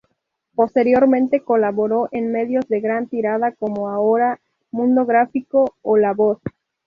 Posteriormente colaboró en medios de gran tirada como "Ahora", "Mundo Gráfico" o "La Voz".